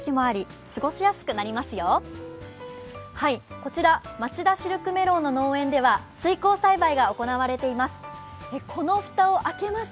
こちら、まちだシルクメロンの農園では水耕栽培が行われています。